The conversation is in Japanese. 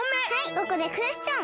ここでクエスチョン。